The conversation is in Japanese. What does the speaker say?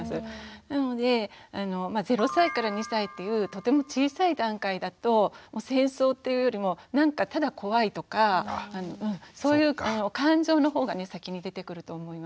なので０歳２歳というとても小さい段階だともう戦争っていうよりもなんかただ怖いとかそういう感情のほうがね先に出てくると思います。